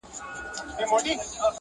دوی به د منني تر څنګ